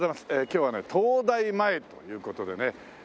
今日はね東大前という事でね。